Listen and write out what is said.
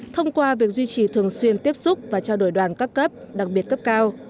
thông qua việc duy trì thường xuyên tiếp xúc và trao đổi đoàn các cấp đặc biệt cấp cao